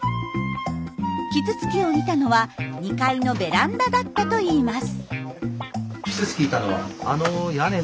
キツツキを見たのは２階のベランダだったといいます。